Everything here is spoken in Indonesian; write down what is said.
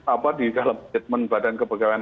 apa di dalam statement badan kepegawaian